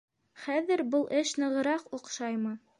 Хәҙер был эш нығыраҡ оҡшаймы?